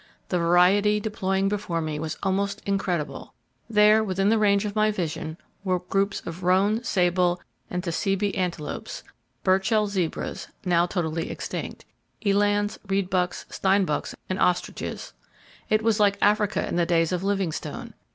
The variety deploying before me was almost incredible! There, within the range of my vision were groups of roan, sable and tsessebi antelopes, Burchell zebras, [now totally extinct!] elands, reedbucks, steinbucks and ostriches. It was like Africa in the days of Livingstone.